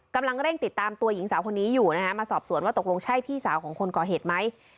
กำลังเร่งติดตามตัวหญิงสาวคนนี้อยู่นะฮะมาสอบสวนว่าตกลงใช่พี่สาวของคนก่อเหตุไหม